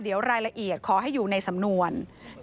เดี๋ยวรายละเอียดขอให้อยู่ในสำนวน